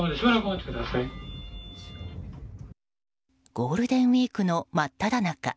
ゴールデンウィークの真っただ中。